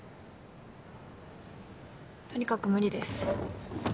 とにかく無理です。